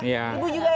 ibu juga ya